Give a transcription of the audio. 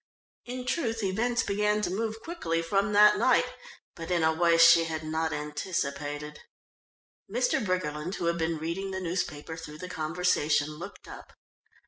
In truth events began to move quickly from that night, but in a way she had not anticipated. Mr. Briggerland, who had been reading the newspaper through the conversation, looked up.